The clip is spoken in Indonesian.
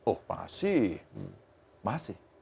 oh masih masih